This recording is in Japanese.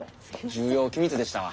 重要機密でしたわ。